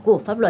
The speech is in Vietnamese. của pháp luật